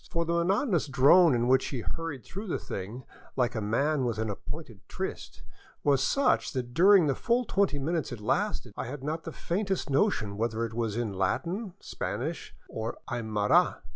For the monotonous drone in which he hurried through the thing, like a man with an appointed 492 THE COLLASUYU, OR " UPPER " PERU tryst, was such that during the full twenty minutes it lasted I had not the faintest notion whether it was in Latin, Spanish, or Aymara.